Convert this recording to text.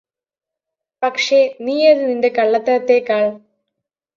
പക്ഷേ നീയത് നിന്റെ കള്ളത്തരത്തേക്കാള്